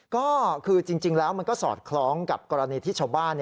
ก็คือจริงแล้วมันก็สอดคล้องกับกรณีที่ชาวบ้าน